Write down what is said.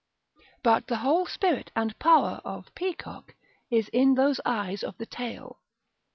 But the whole spirit and power of peacock is in those eyes of the tail.